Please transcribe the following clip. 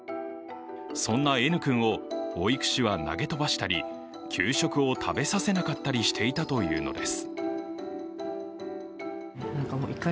そんなＮ君を保育士は投げ飛ばしたり、給食を食べさせなかったりしていたというのです。